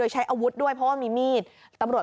ใช้อาวุธด้วยเพราะว่ามีมีด